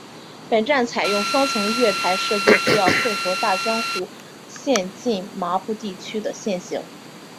本站采用双层月台设计是要配合大江户线近麻布地区的线形。